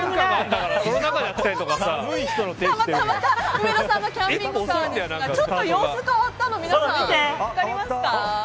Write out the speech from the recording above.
またまた、うめのさんのキャンピングカーですがちょっと様子が変わったの皆さん分かりますか？